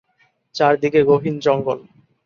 চারদিকে গহীন জঙ্গল।